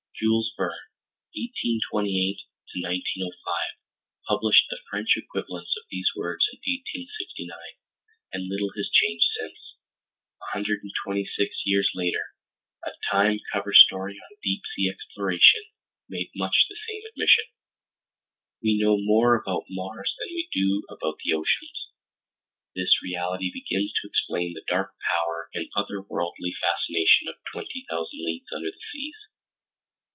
Jules Verne (1828 1905) published the French equivalents of these words in 1869, and little has changed since. 126 years later, a Time cover story on deep sea exploration made much the same admission: "We know more about Mars than we know about the oceans." This reality begins to explain the dark power and otherworldly fascination of Twenty Thousand Leagues Under the Seas.